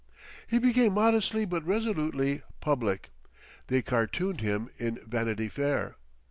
He became modestly but resolutely "public." They cartooned him in Vanity Fair.